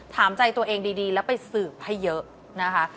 ถามใจตัวเองดีแล้วไปสืบให้เยอะนะคะ